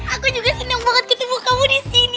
aku juga seneng banget ketemu kamu disini